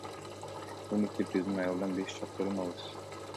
Бул мектеп биздин айылдан беш чакырым алыс.